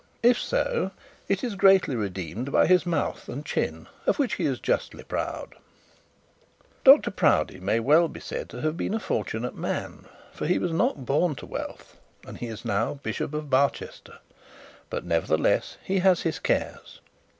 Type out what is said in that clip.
If so, it is greatly redeemed by his mouth and chin, of which he is justly proud. Dr Proudie may well be said to have been a fortunate man, for he was not born to wealth, and he is now bishop of Barchester; but nevertheless he has his cares.